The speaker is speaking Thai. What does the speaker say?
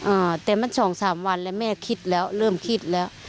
อ่าแต่มันสองสามวันแล้วแม่คิดแล้วเริ่มคิดแล้ว